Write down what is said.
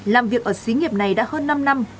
làm việc ở xí nghiệp này đã hơn năm năm